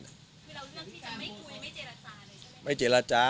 คือเรามีเรื่องที่แขมะจะไม่โจรัตจ้าเลย